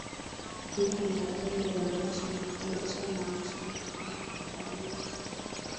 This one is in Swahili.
Nyumba ya Maajabu huendesha maonesho maalumu kwa Utamaduni wa Kiswahili